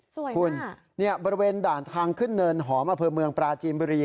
สวยมากคุณนี่บริเวณด่างทางขึ้นเนินหอมอาเฟิร์มเมืองปราจีนบุรี